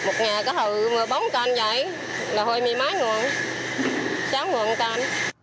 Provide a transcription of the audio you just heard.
một ngày có hầu mười bóng con vậy là hồi mười mấy ngọn sáu ngọn con